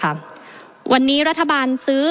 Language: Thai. ประเทศอื่นซื้อในราคาประเทศอื่น